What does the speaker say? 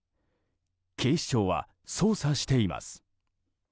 警視庁は捜査しています。